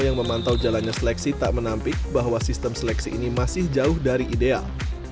yang memantau jalannya seleksi tak menampik bahwa sistem seleksi ini masih jauh dari ideal